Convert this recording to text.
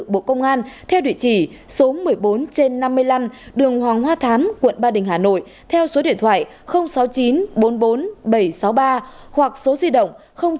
bộ công an theo địa chỉ số một mươi bốn trên năm mươi năm đường hoàng hoa thám quận ba đình hà nội theo số điện thoại sáu mươi chín bốn mươi bốn bảy trăm sáu mươi ba hoặc số di động chín trăm một mươi hai bảy trăm chín mươi sáu hai trăm hai mươi chín